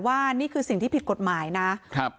นี่คือสิ่งที่ผิดกฎหมายนะครับ